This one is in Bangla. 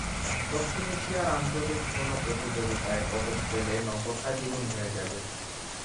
দক্ষিণ এশিয়ার আঞ্চলিক কোনো প্রতিযোগিতায় পদক পেলে নম্বরটা দ্বিগুণ হয়ে যাবে।